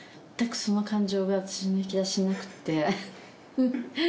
全くその感情が私の引き出しになくてフフ！